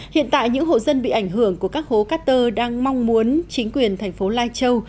hiện tại những hộ dân bị ảnh hưởng của các hố cát tơ đang mong muốn chính quyền thành phố lai châu